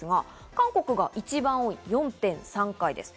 韓国が一番多い４．３回です。